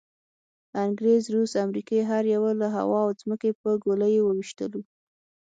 انګریز، روس، امریکې هر یوه له هوا او ځمکې په ګولیو وویشتلو.